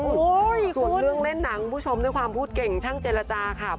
ส่วนเรื่องเล่นหนังคุณผู้ชมด้วยความพูดเก่งช่างเจรจาค่ะ